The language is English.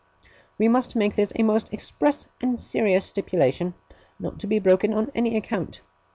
We must make this a most express and serious stipulation, not to be broken on any account.